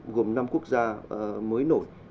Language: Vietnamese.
gồm năm quốc gia mới nổi